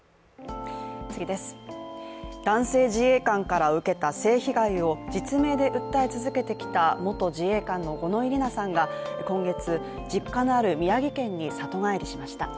男性自衛官から受けた性被害を実名で訴え続けてきた元自衛官の五ノ井里奈さんが今月、実家のある宮城県に里帰りしました。